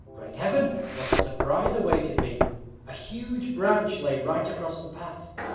Great Heaven! what a surprise awaited me! a huge branch lay right across the path.